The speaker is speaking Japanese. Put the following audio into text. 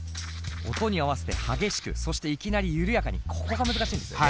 音に合わせて激しくそしていきなり緩やかにここが難しいんですよね？